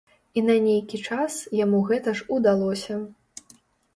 І на нейкі час яму гэта ж удалося.